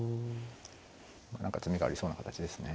何か詰みがありそうな形ですね。